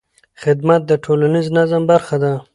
خدمت د ټولنیز نظم برخه ده.